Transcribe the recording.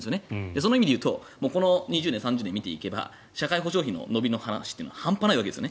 その意味で言うとこの２０年３０年を見ていけば社会保障費の伸びの話は半端ないわけです。